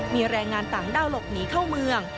มีแรงงานต่างด้าวหลบหนีเข้าเมือง